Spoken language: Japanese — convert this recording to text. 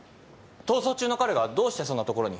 逃走中の彼がどうしてそんなところに？